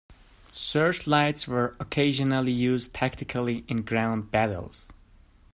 Searchlights were occasionally used tactically in ground battles.